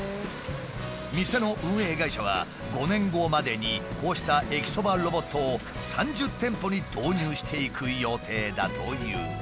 店の運営会社は５年後までにこうした駅そばロボットを３０店舗に導入していく予定だという。